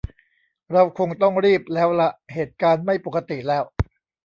เราคงต้องรีบแล้วละ เหตุการณ์ไม่ปกติแล้ว